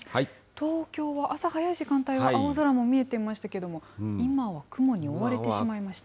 東京は朝早い時間帯は青空も見えていましたけれども、今は雲に覆われてしまいました。